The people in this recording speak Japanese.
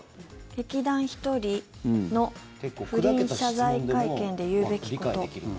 劇団ひとりの不倫謝罪会見で言うべきこと。